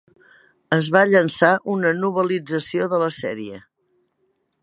Es va llançar una novel·lització de la sèrie.